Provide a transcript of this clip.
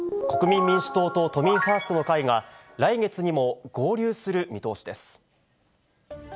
国民民主党と都民ファーストの会が、来月にも合流する見通しです。